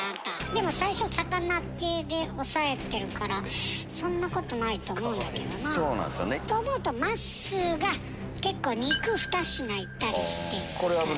でも最初魚系で抑えてるからそんなことないと思うんだけどな。と思うとまっすーが肉２品いったりしてるから。